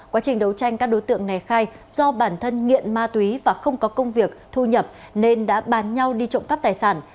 quá trình đấu tranh các đối tượng này khai do bản thân nghiện ma túy và không có công việc thu nhập nên đã bán nhau đi trộm cắp tài sản